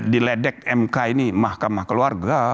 diledek mk ini mahkamah keluarga